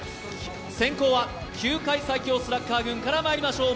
先攻は球界最強スラッガー軍からまいりましょう。